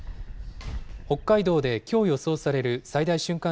北海道できょう予想される最大瞬間